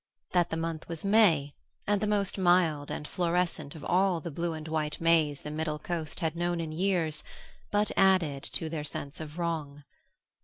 That the month was May, and the most mild and florescent of all the blue and white Mays the middle coast had known in years, but added to their sense of wrong.